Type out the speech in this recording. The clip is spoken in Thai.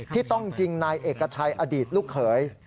ที่ต้องยิงนายเอกชัยอดีตลูกเขย